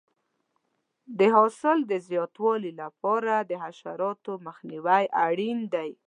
د حاصل د زیاتوالي لپاره د حشراتو مخنیوی اړین دی.